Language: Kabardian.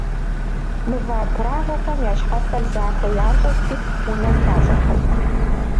Мывэ абрагъуэхэм я щхьэфэр захуэ ящӏырти, унэ тращӏыхьырт.